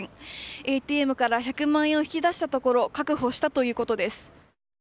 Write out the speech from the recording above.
ＡＴＭから１００万円を引き出したところ確保したということです。